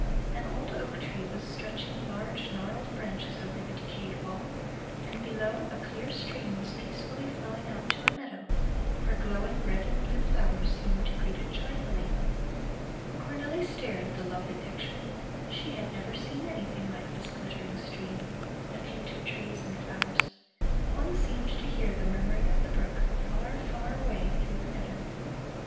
An old oak tree was stretching large gnarled branches over the decayed wall, and below, a clear stream was peacefully flowing out to a meadow, where glowing red and blue flowers seemed to greet it joyfully. Cornelli stared at the lovely picture; she had never seen anything like this glittering stream, the painted trees and flowers; one seemed to hear the murmuring of the brook, far, far away through the meadow.